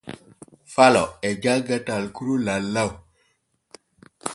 Falo e janŋa talkuru lallaw.